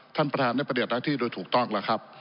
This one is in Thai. ท่านประธานได้ประเด็นหน้าที่โดยถูกต้องหรือครับ